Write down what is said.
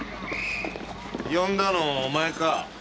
呼んだのお前か？